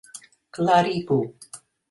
klarigu